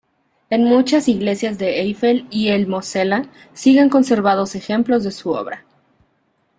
En muchas iglesias de Eifel y el Mosela siguen conservados ejemplos de su obra.